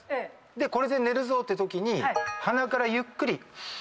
でこれで寝るぞってときに鼻からゆっくり。